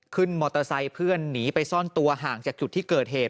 ขึ้นมอเตอร์ไซค์เพื่อนหนีไปซ่อนตัวห่างจากจุดที่เกิดเหตุ